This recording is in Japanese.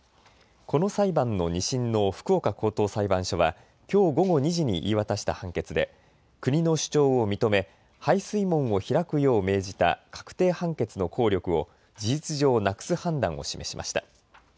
この裁判の２審の福岡高等裁判所はきょう午後２時に言い渡した判決で国の主張を認め排水門を開くよう命じた確定判決の効力を事実上、なくす判断を示しました。